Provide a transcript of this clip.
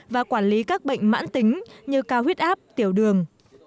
và quản lý các bệnh mãn tính như cao huyết áp tiểu đường